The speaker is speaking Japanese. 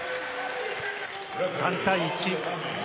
３対１。